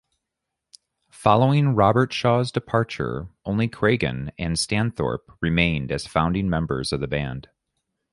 Following Robertshaw's departure, only Craighan and Stainthorpe remained as founding members of the band.